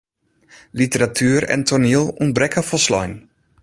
Literatuer en toaniel ûntbrekke folslein.